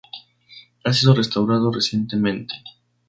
Ha sido restaurado recientemente.